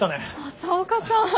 朝岡さん。